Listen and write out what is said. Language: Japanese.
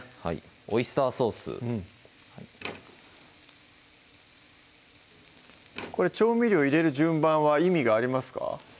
オイスターソースこれ調味料入れる順番は意味がありますか？